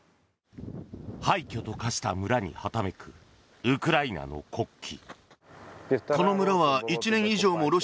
廃墟と化した村にはためくウクライナの国旗。